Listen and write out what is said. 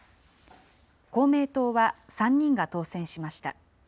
公明党は３人が当選しました。